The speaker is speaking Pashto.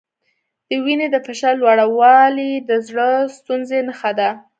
د وینې د فشار لوړوالی د زړۀ ستونزې نښه ده.